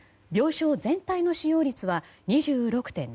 病床全体の使用率は２６．７％。